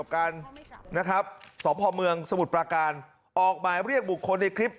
กับการนะครับสอบพอมเมืองสมุดปราการออกมาเรียกบุคคลในคลิป